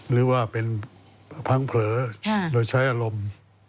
หรือว่าเป็นพังเผลอโดยใช้อารมณ์